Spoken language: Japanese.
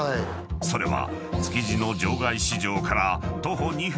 ［それは］